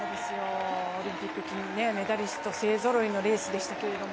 オリンピックメダリスト勢ぞろいのレースでしたが。